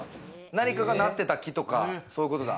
何かがなってた木とか、そういうことだ。